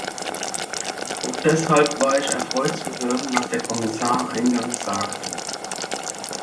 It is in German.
Auch deshalb war ich erfreut zu hören, was der Kommissar eingangs sagte.